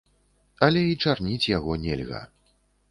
Але і чарніць яго нельга.